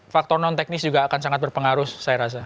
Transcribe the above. faktor non teknis juga akan sangat berpengaruh saya rasa